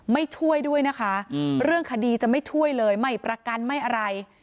ช่วยด้วยนะคะเรื่องคดีจะไม่ช่วยเลยไม่ประกันไม่อะไร